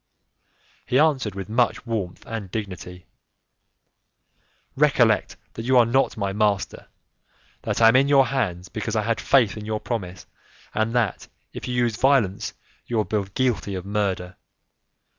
He answered with much warmth and dignity: "Recollect that you are not my master, that I am in your hands, because I had faith in your promise, and that, if you use violence, you will be guilty of murder.